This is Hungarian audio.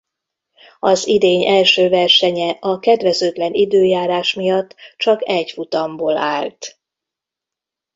Az idény első versenye a kedvezőtlen időjárás miatt csak egy futamból állt.